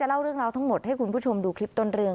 หญ้าพูดถ้ายรุ่นมากพูดถ้าง